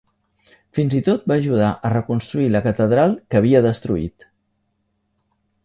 Fins i tot va ajudar a reconstruir la catedral que havia destruït.